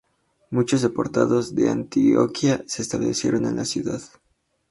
Muchos deportados de Antioquía se establecieron en la ciudad.